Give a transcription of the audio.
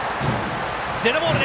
デッドボール。